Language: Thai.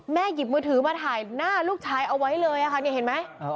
หยิบมือถือมาถ่ายหน้าลูกชายเอาไว้เลยค่ะนี่เห็นไหม